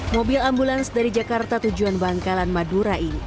mobil ambulans dari jakarta tujuan bangkalan madura ini